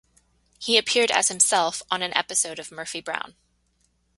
He appeared as himself on an episode of "Murphy Brown".